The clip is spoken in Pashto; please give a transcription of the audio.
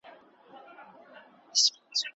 پولیس به د جرمونو مخنیوی کوي.